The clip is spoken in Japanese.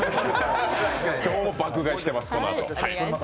今日も爆買いしてます、このあと。